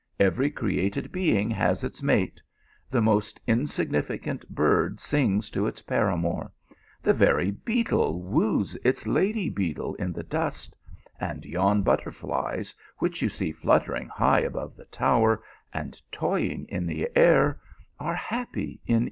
Every created being has its mate ; the most insignificant bird singes to its paramour ; the very beetle woos its lady beetle in the dust, and yon butterflies which you see flutterh g high above the tower and toying in the air are happy in.